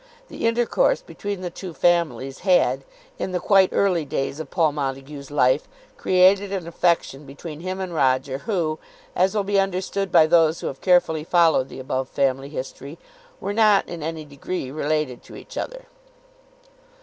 The intercourse between the two families had in the quite early days of Paul Montague's life, created an affection between him and Roger, who, as will be understood by those who have carefully followed the above family history, were not in any degree related to each other.